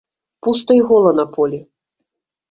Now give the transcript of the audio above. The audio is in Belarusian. Пуста і гола на полі.